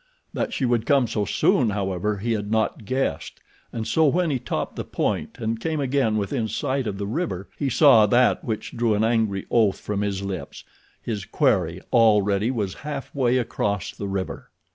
That she would come so soon, however, he had not guessed, and so when he topped the point and came again within sight of the river he saw that which drew an angry oath from his lips—his quarry already was half way across the river.